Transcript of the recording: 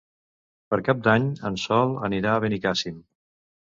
Per Cap d'Any en Sol anirà a Benicàssim.